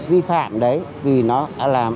vi phạm đấy vì nó làm